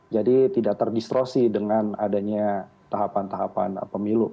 tidak terdistrosi dengan adanya tahapan tahapan pemilu